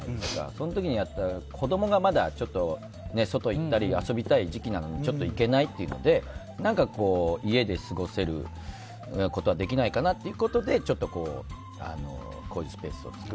その時に子供がまだ外に行ったり遊びたい時期なのにちょっと行けないというので何か家で過ごせることはできないかなということでこういうスペースを作って。